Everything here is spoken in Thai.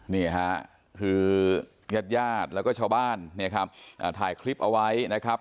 นี่ค่ะคือยาดแล้วก็ชาวบ้านถ่ายคลิปเอาไว้นะครับ